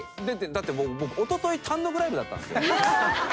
だって僕おととい単独ライブだったんですよ。